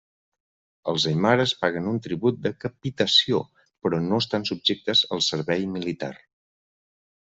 Els aimares paguen un tribut de capitació, però no estan subjectes al servei militar.